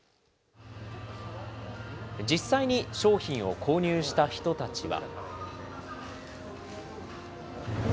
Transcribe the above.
実際に商品を購入した人たちは。